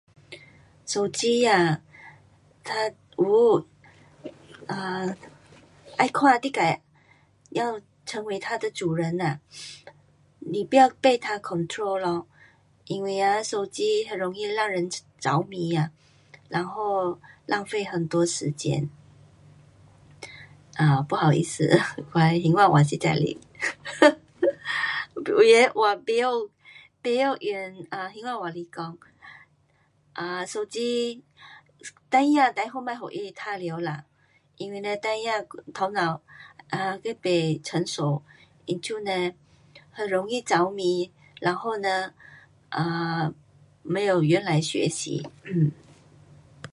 shou ji a, u, ai kua di gai yao cheng wei ta de zhu ren, ni bu yao bei ta control lo, yin wei shou ji heng rong yi lan zao mi, ran ho rang fei heng duo shi jian. bu hao yi shi, guo hing hua wa shi zai li ha... u e wa bei you yong, bei you li gong, shou ji, dei ya dai ho nai tai lio la. yin wei dai ya tou nao bi bei cheng shou, yin cun nei heng rong yi zao mi, ran ho ne mei you yuan lai xue xi.